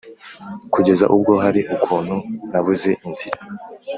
kugeza ubwo hari ukuntu nabuze inzira?